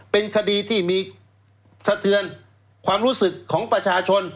เป็นคดีที่มีสะเทือนความรู้สึกของประชาชน